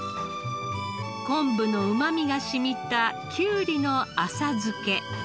昆布のうまみが染みたきゅうりの浅漬け。